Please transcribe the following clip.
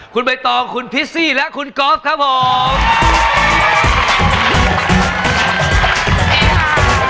คุณใบตองคุณพิซซี่และคุณก๊อฟครับผม